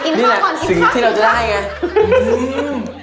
นี่แหละสิ่งที่เราจะได้ไง